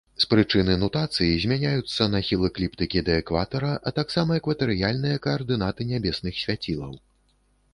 З прычыны нутацыі змяняюцца нахіл экліптыкі да экватара, а таксама экватарыяльныя каардынаты нябесных свяцілаў.